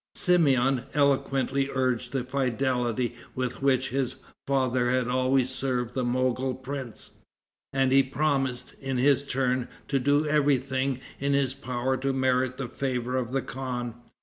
Simeon eloquently urged the fidelity with which his father had always served the Mogol prince, and he promised, in his turn, to do every thing in his power to merit the favor of the khan.